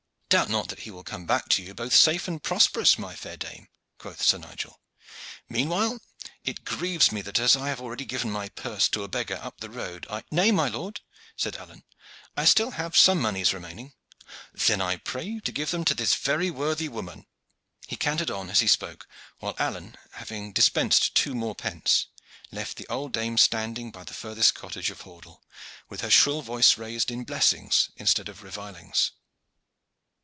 "Doubt not that he will come back to you both safe and prosperous, my fair dame," quoth Sir Nigel. "Meanwhile it grieves me that as I have already given my purse to a beggar up the road I " "Nay, my lord," said Alleyne, "I still have some moneys remaining." "Then I pray you to give them to this very worthy woman." He cantered on as he spoke, while Alleyne, having dispensed two more pence, left the old dame standing by the furthest cottage of Hordle, with her shrill voice raised in blessings instead of revilings.